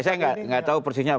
saya nggak tahu persisnya